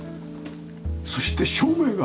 そして照明が。